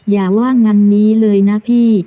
อย่าว่างั้นนี้เลยนะพี่